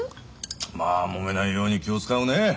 まあもめないように気を遣うね。